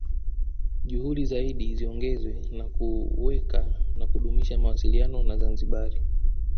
Juhudi zaidi ziongezwe za kuweka na kudumisha mawasiliano na Zanzibari